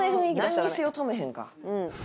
なんにせよ止めへんか。